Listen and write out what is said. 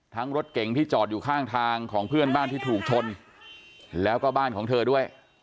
รถเก่งที่จอดอยู่ข้างทางของเพื่อนบ้านที่ถูกชนแล้วก็บ้านของเธอด้วย